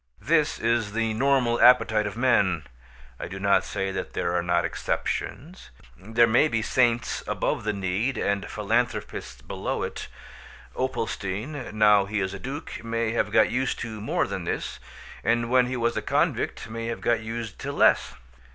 This is the normal appetite of men; I do not say there are not exceptions. There may be saints above the need and philanthropists below it. Opalstein, now he is a duke, may have got used to more than this; and when he was a convict may have got used to less.